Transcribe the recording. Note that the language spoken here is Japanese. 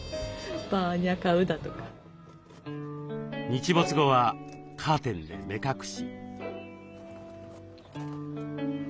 日没後はカーテンで目隠し。